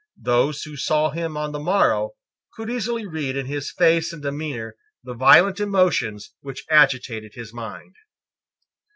Those who saw him on the morrow could easily read in his face and demeanour the violent emotions which agitated his mind.